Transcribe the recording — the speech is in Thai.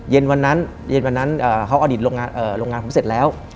เย็นวันนั้นเย็นวันนั้นเขาอดีตโรงงานผมเสร็จแล้ว